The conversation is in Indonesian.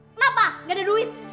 kenapa gak ada duit